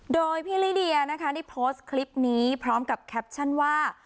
โดยพี่ลิเดียนะคะได้โพสต์คลิปนี้พร้อมกับแคปชั่นว่า